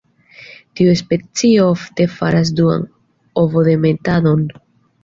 Tiu specio ofte faras duan ovodemetadon.